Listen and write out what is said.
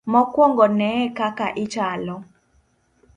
Mokwongo ne e kaka ichalo.